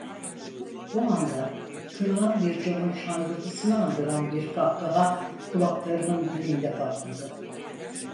Bu anda, kırılan bir camın şangırtısını andıran bir kahkaha kulaklarımın dibinde patladı.